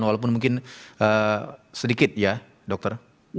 walaupun mungkin sedikit ya dokter